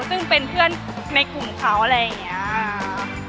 ซึ่งเป็นเพื่อนในกลุ่มเขาอะไรอย่างนี้